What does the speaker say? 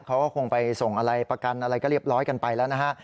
เขาก็คงไปส่งอะไรประกันอะไรก็เรียบร้อยกันไปแล้วนะฮะ